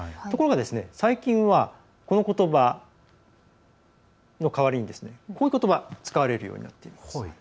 ところが、最近はこのことばの代わりにこういうことば使われるようになっているんです。